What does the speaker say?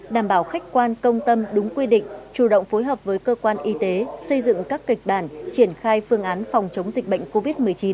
đảm bảo khách quan công tâm đúng quy định chủ động phối hợp với cơ quan y tế xây dựng các kịch bản triển khai phương án phòng chống dịch bệnh covid một mươi chín